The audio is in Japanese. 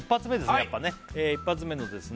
やっぱね一発目のですね